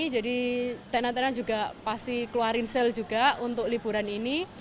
jadi tena tena juga pasti keluarin sel juga untuk liburan ini